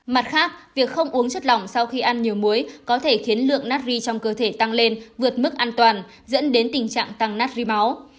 mặt khác việc không uống chất lỏng sau khi ăn nhiều muối có thể khiến lượng natri trong cơ thể tăng lên vượt mức an toàn dẫn đến tình trạng tăng nắt ri máu